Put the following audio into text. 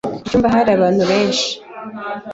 Icyumba hari abantu benshi.